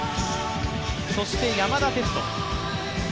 そして、山田哲人。